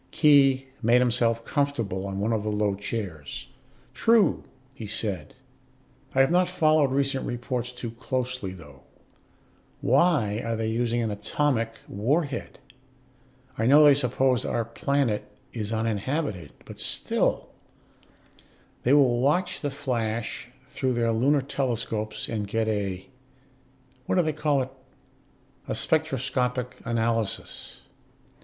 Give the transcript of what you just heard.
Khee made himself comfortable on one of the low chairs. "True," he said. "I have not followed recent reports too closely, though. Why are they using an atomic warhead? I know they suppose our planet is uninhabited, but still " "They will watch the flash through their lunar telescopes and get a what do they call it? a spectroscopic analysis.